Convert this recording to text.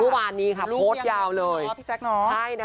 พอวานนี้โพสต์ยาวเลยพี่แจ๊คพูดกับน้อง